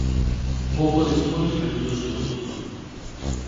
Pouco despois retirouse do fútbol.